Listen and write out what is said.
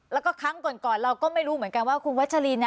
แล้วก็ครั้งก่อนเราก็ไม่รู้เหมือนกันว่าคุณวัชลิน